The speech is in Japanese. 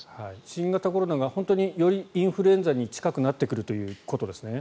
新型コロナが本当によりインフルエンザに近くなってくるということですね。